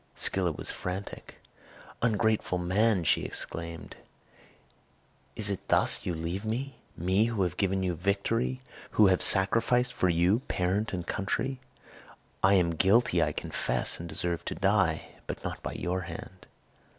Scylla was frantic. "Ungrateful man," she exclaimed, "is it thus you leave me? me who have given you victory, who have sacrificed for you parent and country! I am guilty, I confess, and deserve to die, but not by your hand."